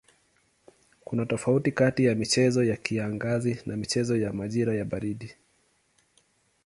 Kuna tofauti kati ya michezo ya kiangazi na michezo ya majira ya baridi.